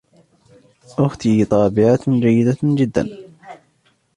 أُختي طابِعة جيدة جداً.